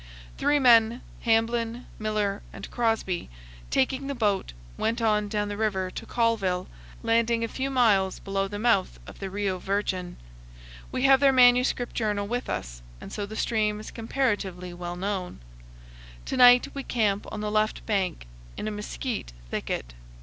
Three men Hamblin, Miller, and Crosby taking the boat, went on down the river to Callville, landing a few miles below the mouth of the Rio Virgen. We have their manuscript journal with us, and so the stream is comparatively well known. To night we camp on the left bank, in a mesquite thicket.